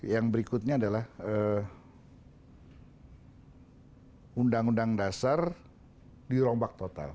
yang berikutnya adalah undang undang dasar dirombak total